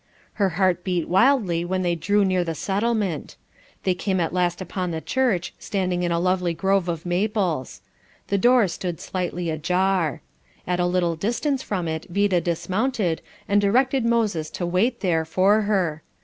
Her heart beat wildly when they drew near the settlement. They came at last upon the church, standing in a lovely grove of maples. The door stood slightly ajar. At a little distance from it Vida dismounted, and directed Moses to wait there for her.